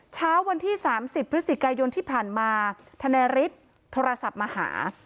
เช้าวันที่สามสิบพฤษฎิกายนที่ผ่านมาทนายฤทธิ์โทรศัพท์มาหา